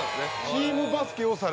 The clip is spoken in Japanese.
チームバスケをされてる？